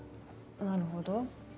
なるほど。